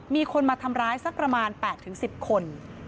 มีคนมาทำร้ายสักประมาณ๘๑๐คน